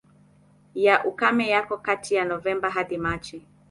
Ya ukame yako kati ya Novemba hadi Machi.